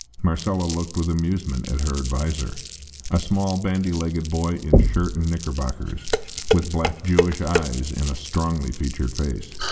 Marcella looked with amusement at her adviser a small bandy legged boy in shirt and knickerbockers, with black Jewish eyes in a strongly featured face.